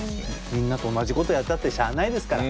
みんなと同じことをやったってしゃあないですから。